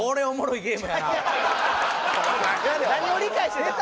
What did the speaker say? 何を理解してた？